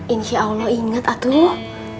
insya allah inget atuh